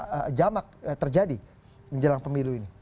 apakah itu akan menjadi jamak terjadi menjelang pemilu ini